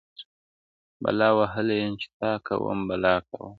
o بلا وهلی يم، چي تا کوم بلا کومه.